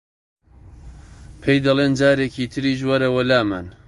پێی دەڵێن جارێکی تریش وەرەوە لامان